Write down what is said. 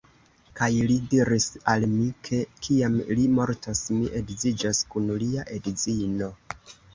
Kaj li diris al mi, ke kiam li mortos, mi edziĝos kun lia edzino.